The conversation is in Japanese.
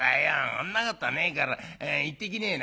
そんなことねえから行ってきねえな」。